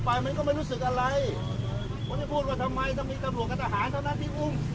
ผมต้องพูดถึงเรื่องเศรษฐกิจเพราะอะไรถึงมีถั่วศูนย์เหรียญ